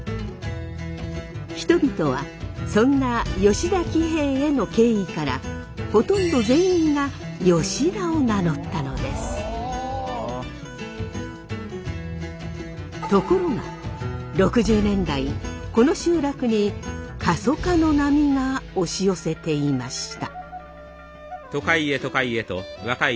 人々はそんな吉田喜兵衛への敬意からところが６０年代この集落に過疎化の波が押し寄せていました。